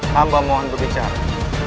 tambah mohon berbicara